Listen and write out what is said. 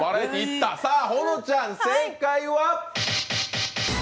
ほのちゃん、正解は？